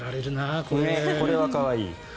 これは可愛い。